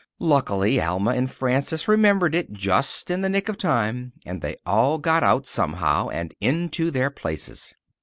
Luckily, Alma and Frances remembered it just in the nick of time, and they all got out, somehow, and into their places.